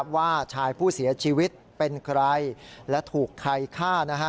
ว่าชายผู้เสียชีวิตเป็นใครและถูกใครฆ่า